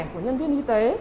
của nhân viên y tế